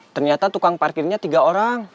ternyata tukang parkirnya tiga orang